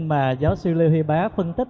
mà giáo sư lê huy bá phân tích